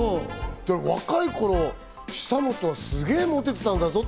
若い頃、久本はすげぇモテてたんだぞって